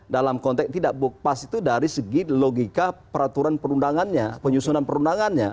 dalam konteks tidak pas itu dari segi logika peraturan perundangannya penyusunan perundangannya